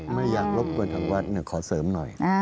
ไม่อยากรบกวนถวัดเนี่ยขอเสริมหน่อย